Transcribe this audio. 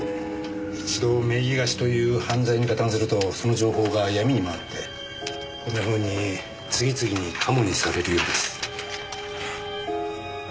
一度名義貸しという犯罪に加担するとその情報が闇に回ってこんなふうに次々にカモにされるようです。